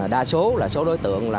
đa số là số đối tượng